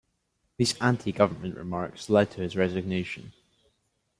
These anti-government remarks led to his resignation.